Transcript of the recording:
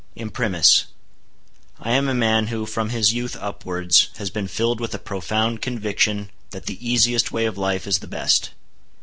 Imprimis: I am a man who, from his youth upwards, has been filled with a profound conviction that the easiest way of life is the best.